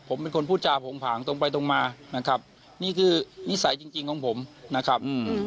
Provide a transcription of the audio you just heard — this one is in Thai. ผมเป็นคนพูดจาโผงผางตรงไปตรงมานะครับนี่คือนิสัยจริงจริงของผมนะครับอืม